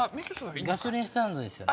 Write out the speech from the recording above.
ガソリンスタンドですよね？